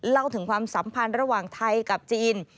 เล่าถึงความสัมพันธ์ระหว่างไทยกับจีน